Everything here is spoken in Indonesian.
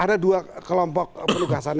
ada dua kelompok penugasan